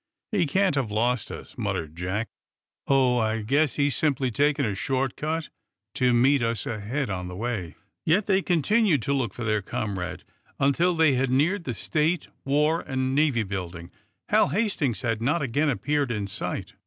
"He can't have lost us," muttered Jack. "Oh, I guess he has simply taken a short cut to meet us ahead on the way." Yet, though they continued to look for their comrade until they had neared the State, War and Navy Building, Hal Hastings had not again appeared in sight.